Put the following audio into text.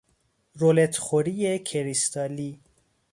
رولت خوری کریستالی